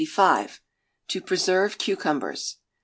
To Preserve Cucumbers.